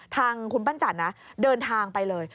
ทางคุณปั้นจันทร์นะเดินทางไปเลย